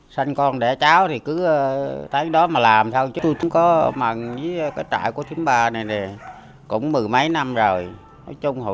sẽ bố trí cho mượn mặt bằng sản xuất